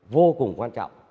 vô cùng quan trọng